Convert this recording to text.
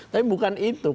tapi bukan itu